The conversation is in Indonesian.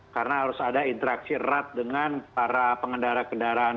karena harus ada interaksi erat dengan para pengendara kendaraan